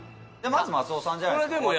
まず松尾さんじゃないですか？